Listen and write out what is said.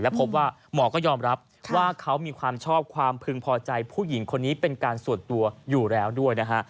พบว่าหมอก็ยอมรับว่าเขามีความชอบความพึงพอใจผู้หญิงคนนี้เป็นการส่วนตัวอยู่แล้วด้วยนะฮะ